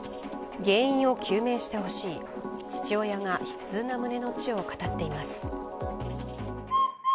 原因を究明してほしい、父親が悲痛な胸のうちを語っています。